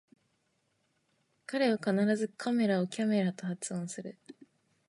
彼は必ずカメラをキャメラと発音する